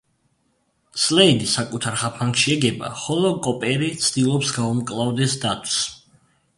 სლეიდი საკუთარ ხაფანგში ეგება, ხოლო კოპერი ცდილობს, გაუმკლავდეს დათვს.